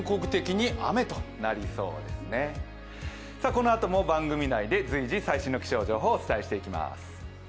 この後も番組内で随時、最新の気象情報をお伝えしていきます。